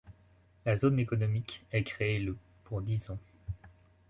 La zone économique est créée le pour dix ans.